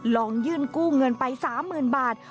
ลองยื่นกู้เงินไป๓๐๐๐บาท